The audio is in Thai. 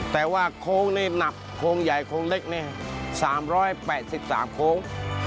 แต่ว่าโค้งนี่หนักโค้งใหญ่โค้งเล็กนี่๓๘๓โค้ง